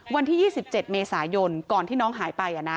วันที่๒๗เมษายนก่อนที่น้องหายไป